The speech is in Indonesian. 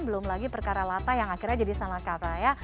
belum lagi perkara latah yang akhirnya jadi salah kata ya